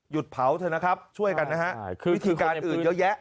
เผาเถอะนะครับช่วยกันนะฮะวิธีการอื่นเยอะแยะ